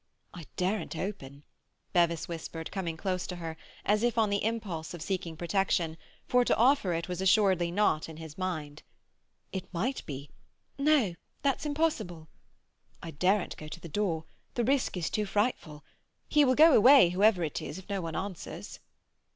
"I daren't open," Bevis whispered, coming close to her, as if on the impulse of seeking protection—for to offer it was assuredly not in his mind. "It might be—" "No! That's impossible." "I daren't go to the door. The risk is too frightful. He will go away, whoever it is, if no one answers."